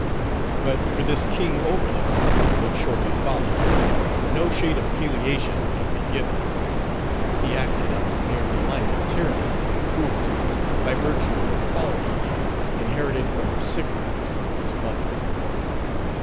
But for this King Oberlus and what shortly follows, no shade of palliation can be given. He acted out of mere delight in tyranny and cruelty, by virtue of a quality in him inherited from Sycorax his mother.